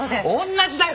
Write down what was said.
同じだよ！